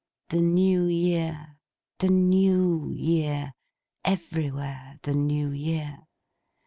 The New Year, the New Year. Everywhere the New Year!